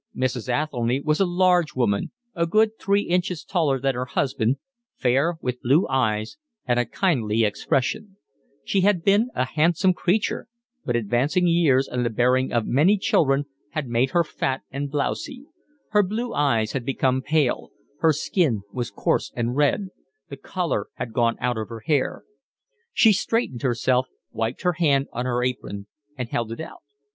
Mrs. Athelny was a large woman, a good three inches taller than her husband, fair, with blue eyes and a kindly expression; she had been a handsome creature, but advancing years and the bearing of many children had made her fat and blousy; her blue eyes had become pale, her skin was coarse and red, the colour had gone out of her hair. She straightened herself, wiped her hand on her apron, and held it out.